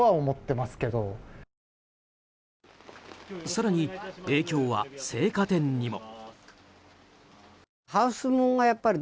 更に影響は生花店にも。